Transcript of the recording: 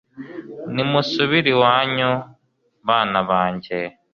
nimusubire iwanyu, bana banjye